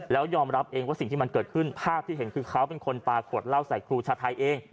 แล้วยอมรับเองว่าสิ่งที่มันเกิดขึ้นภาพที่เห็นคือเขาเป็นคนปลาขวดเหล้าใส่ครูชาไทยเอง